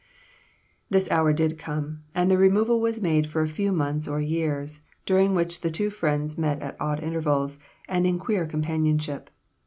This hour did come, and the removal was made for a few months or years, during which the two friends met at odd intervals, and in queer companionship.